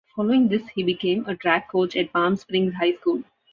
Following this he became a track coach at Palm Springs High School.